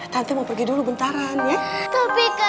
nanti mau pergi dulu bentaran ya